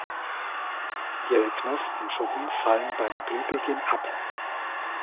Ihre Knospenschuppen fallen beim Blühbeginn ab.